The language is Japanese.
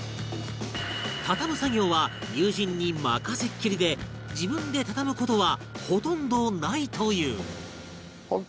畳む作業は友人に任せっきりで自分で畳む事はほとんどないという